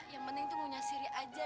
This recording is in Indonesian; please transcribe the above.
yang penting tuh punya siri aja